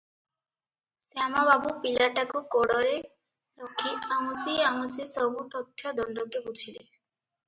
ଶ୍ୟାମବାବୁ ପିଲାଟାକୁ କୋଡ଼ରେ ରଖି ଆଉଁଶି ଆଉଁଶି ସବୁ ତଥ୍ୟ ଦଣ୍ଡକେ ବୁଝିଲେ ।